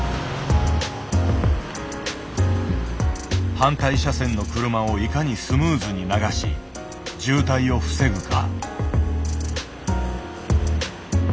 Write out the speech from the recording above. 反対車線の車をいかにスムーズに流し渋滞を防ぐか。